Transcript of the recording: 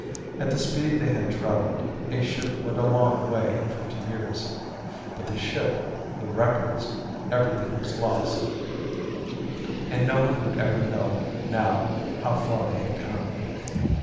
At the speed they had traveled, a ship went a long way in fifty years. But the ship, the records, everything was lost. And no one would ever know now how far they had come.